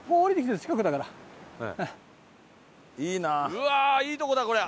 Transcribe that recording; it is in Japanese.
うわあいいとこだこりゃ。